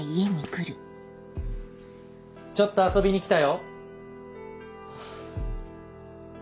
ちょっと遊びに来たよ。